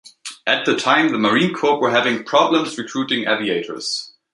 At the time, the Marine Corps were having problems recruiting aviators.